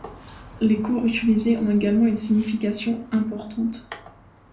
Les couleurs utilisées ont également une signification importante.